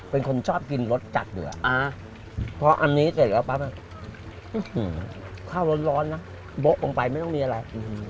เป็นคนชอบกินรสจัดเดือพออันนี้เสร็จแล้วปั๊บข้าวร้อนนะโบ๊ะลงไปไม่ต้องมีอะไร